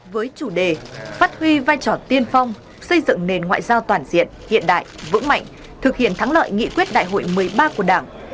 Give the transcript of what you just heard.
với chủ đề phát huy vai trò tiên phong xây dựng nền ngoại giao toàn diện hiện đại vững mạnh thực hiện thắng lợi nghị quyết đại hội một mươi ba của đảng